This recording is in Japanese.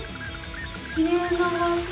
きれいな場しょ！